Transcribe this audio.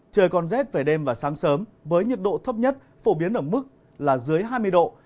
trời còn rét về đêm và sáng sớm với nhiệt độ thấp nhất phổ biến ở mức là dưới hai mươi độ